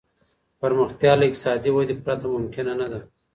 پرمختيا له اقتصادي ودي پرته ممکنه نه ده.